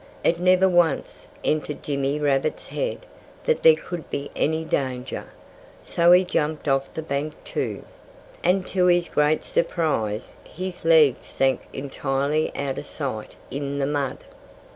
It never once entered Jimmy Rabbit's head that there could be any danger. So he jumped off the bank, too. And to his great surprise his legs sank entirely out of sight in the mud.